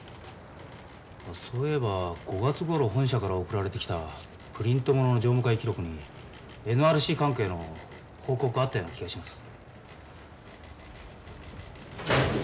そういえば５月ごろ本社から送られてきたプリントものの常務会記録にＮＲＣ関係の報告があったような気がします。